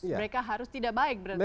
mereka harus tidak baik berarti